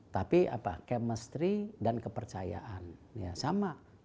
tapi apa chemistry dan kepercayaan ya sama